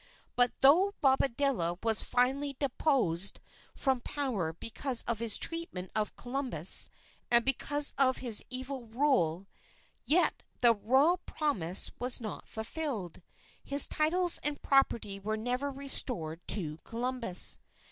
But though Bobadilla was finally deposed from power because of his treatment of Columbus and because of his evil rule, yet the royal promise was not fulfilled. His titles and property were never restored to Columbus.